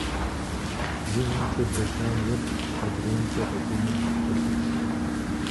Зы нэмкӏэ блэкӏам еплъ, адреимкӏэ къэкӏуэнум кӏэлъыплъ.